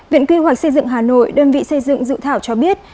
viện quy hoạch xây dựng hà nội đơn vị xây dựng dự thảo cho biết